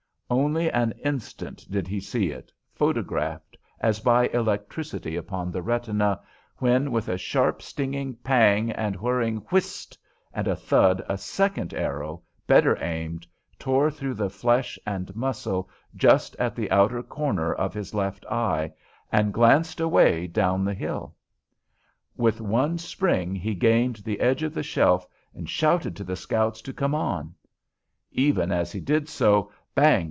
Only an instant did he see it, photographed as by electricity upon the retina, when with a sharp stinging pang and whirring "whist" and thud a second arrow, better aimed, tore through the flesh and muscles just at the outer corner of his left eye, and glanced away down the hill. With one spring he gained the edge of the shelf, and shouted to the scouts to come on. Even as he did so, bang!